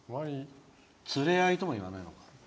連れ合いとも言わないわな。